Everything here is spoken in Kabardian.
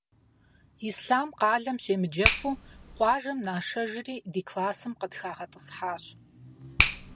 Ислъам къалэм щемыджэфу, къуажэм нашэжри ди классым къытхагъэтӏысхьащ.